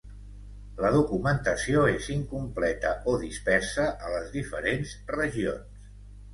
La documentació és incompleta o dispersa a les diferents regions.